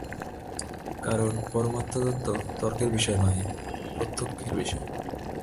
কারণ পরমার্থতত্ত্ব তর্কের বিষয় নহে, প্রত্যক্ষের বিষয়।